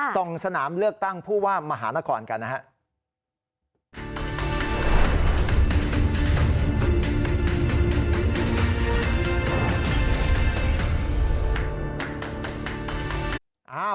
ส่งสนามเลือกตั้งผู้ว่ามหานครกันนะฮะ